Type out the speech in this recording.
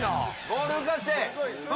ボール浮かして！